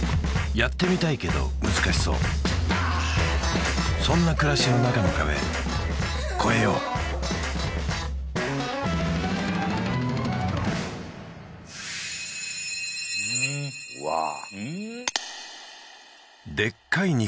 やってみたいけど難しそうそんな暮らしの中の壁越えようわあうん？